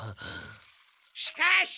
しかし！